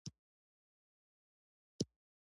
قاتل تل له خپلو کړنو شرمېږي